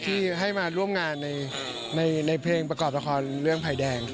ที่ให้มาร่วมงานในเพลงประกอบละครเรื่องภัยแดง